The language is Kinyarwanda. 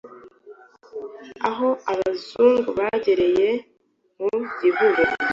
Aho abazungu bagereye mu Gihugu